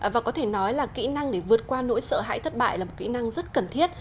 và có thể nói là kỹ năng để vượt qua nỗi sợ hãi thất bại là một kỹ năng rất cần thiết